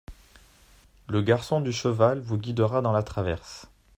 Le garçon du cheval vous guidera dans la traverse.